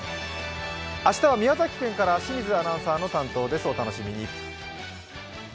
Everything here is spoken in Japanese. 明日は宮崎県から清水アナウンサーの担当です、お楽しみに。